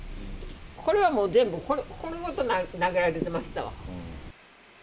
これはもう全部、これごと投げられてましたわ。